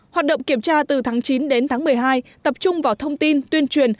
hoạt động kiểm tra từ tháng chín đến tháng một mươi hai tập trung vào thông tin tuyên truyền